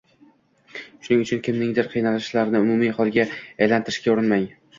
shuning uchun kimningdir qiynalishlarini umumiy holga aylantirishga urinmang.